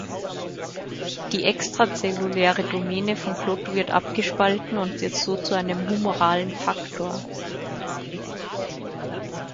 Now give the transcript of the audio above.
Die extrazelluläre Domäne von Klotho wird abgespalten und wird so zu einem humoralen Faktor.